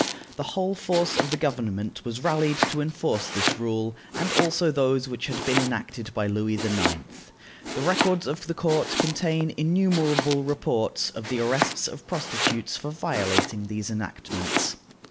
The whole force of the government was rallied to enforce this rule, and also those which had been enacted by Louis IX. The records of the court contain innumerable reports of the arrests of prostitutes for violating these enactments.